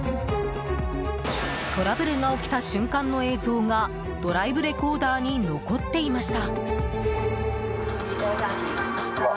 トラブルが起きた瞬間の映像がドライブレコーダーに残っていました。